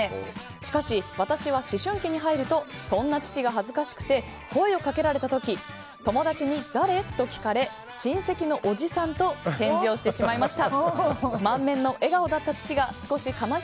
しかし、私は思春期に入るとそんな父が恥ずかしくて声をかけられた時友達に、誰？と聞かれ親戚のおじさんと返事をしてしまいました。